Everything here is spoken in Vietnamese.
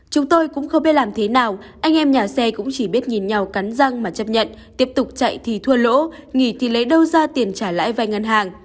chúng tôi cũng không biết làm thế nào anh em nhà xe cũng chỉ biết nhìn nhau cắn răng mà chấp nhận tiếp tục chạy thì thua lỗ nghỉ thì lấy đâu ra tiền trả lãi vai ngân hàng